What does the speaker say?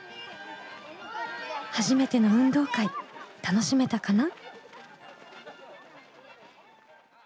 初めての運動会楽しめたかな？